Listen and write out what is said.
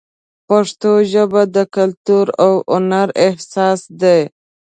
پښتو ژبه د کلتور او هنر اساس دی.